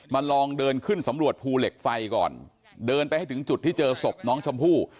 ลองเดินขึ้นสำรวจภูเหล็กไฟก่อนเดินไปให้ถึงจุดที่เจอศพน้องชมพู่